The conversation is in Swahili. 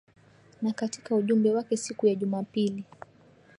Na katika ujumbe wake siku ya Jumapili